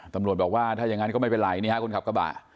ตำรวจบอกว่าถ้าอย่างนั้นก็ไม่เป็นไรนี่ฮะคนขับกระบะ